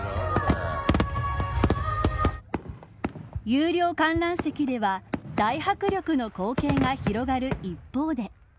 有料観覧席では大迫力の光景が広がる一方で。